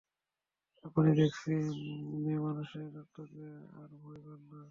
আপনি দেখছি মেয়েমানুষের রক্তকে আর ভয় পান না।